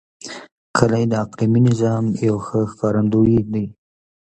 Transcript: کلي د اقلیمي نظام یو ښه ښکارندوی دی.